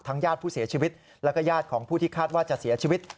ญาติผู้เสียชีวิตแล้วก็ญาติของผู้ที่คาดว่าจะเสียชีวิต